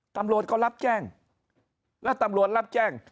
ตำรวจก็รับแจ้งแล้วตำรวจรับแจ้ง